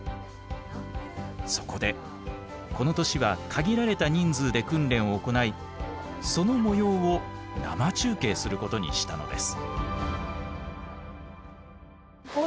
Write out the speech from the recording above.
そこでこの年は限られた人数で訓練を行いそのもようを生中継することにしたのです。